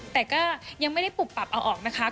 แต่ก็ยังไม่ได้ปุบปรับเอาออกนะคะ